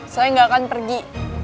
saya gak akan pergi